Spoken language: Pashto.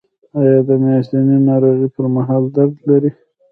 ایا د میاشتنۍ ناروغۍ پر مهال درد لرئ؟